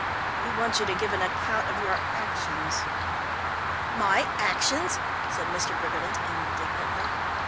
"We want you to give an account of your actions." "My actions?" said Mr. Briggerland indignantly.